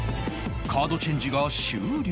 カードチェンジが終了